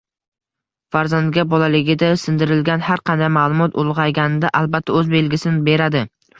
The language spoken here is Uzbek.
Farzandga bolaligida singdirilgan har qanday ma’lumot ulg‘ayganida albatta o‘z belgisini beradi.